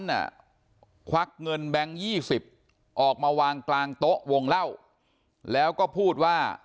ควักเงินแบงค์๒๐ออกมาวางกลางโต๊ะวงเล่าแล้วก็พูดว่า